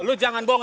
lo jangan bohong ya